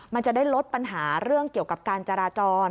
มันจะได้ลดปัญหาเรื่องเกี่ยวกับการจราจร